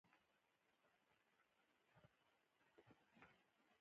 باسواده ښځې د ښوونکو په توګه دنده ترسره کوي.